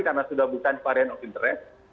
karena sudah bukan varian of interest